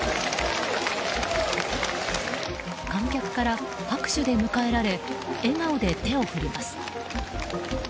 観客から拍手で迎えられ笑顔で手を振ります。